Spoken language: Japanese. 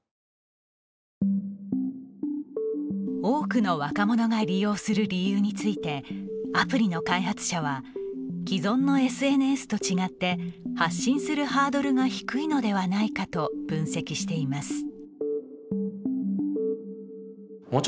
多くの若者が利用する理由について、アプリの開発者は既存のＳＮＳと違って発信するハードルが低いのではないかと分析しています。